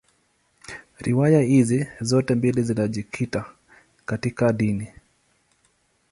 Riwaya hizi zote mbili zinajikita katika dini.